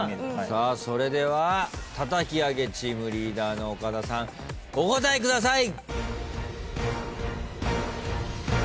さあそれでは叩き上げチームリーダーの岡田さんお答えください。